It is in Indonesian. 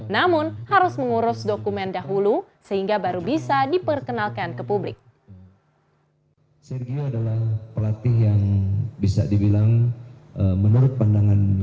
namun harus mengurus dokumen dahulu sehingga baru bisa diperkenalkan